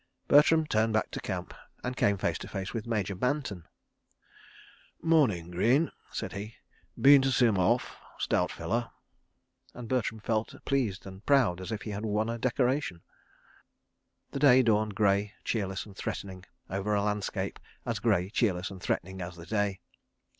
... Bertram turned back to Camp and came face to face with Major Manton. "Morning, Greene," said he. "Been to see 'em off? Stout fella." And Bertram felt as pleased and proud as if he had won a decoration. ... The day dawned grey, cheerless and threatening over a landscape as grey, cheerless and threatening as the day.